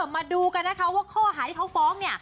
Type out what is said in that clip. มาดูกันนะคะว่าข้อหาที่เขาฟ้องเนี่ย